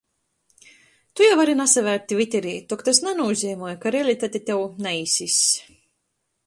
Tu jau vari nasavērt tviterī, tok tys nanūzeimoj, ka realitate tev naīsiss.